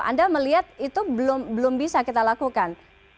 anda melihat itu belum bisa kita lakukan